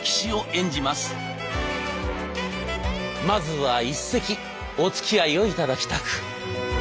まずは一席おつきあいをいただきたく。